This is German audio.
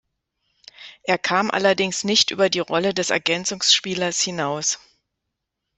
Er kam allerdings nicht über die Rolle des Ergänzungsspielers hinaus.